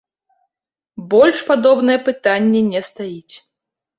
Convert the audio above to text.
Больш падобнае пытанне не стаіць.